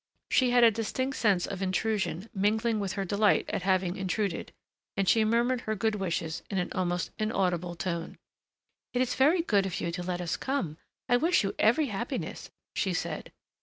She had a distinct sense of intrusion mingling with her delight at having intruded, and she murmured her good wishes in an almost inaudible tone. "It is very good of you to let us come ... I wish you every happiness," she said.